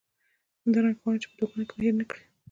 همدارنګه غواړم چې په دعاګانو کې مې هیر نه کړئ.